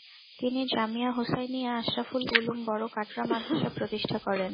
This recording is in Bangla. তিনি জামিয়া হোসাইনিয়া আশরাফুল উলুম, বড় কাটরা মাদ্রাসা প্রতিষ্ঠা করেন।